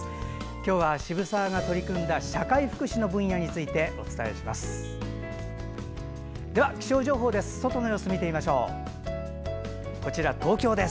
今日は渋沢が取り組んだ社会福祉の分野についてお伝えします。